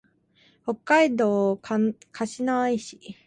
北海道歌志内市